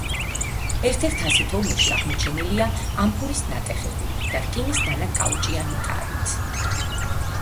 ერთ-ერთ ასეთ ორმოში აღმოჩენილია ამფორის ნატეხები და რკინის დანა კაუჭიანი ტარით.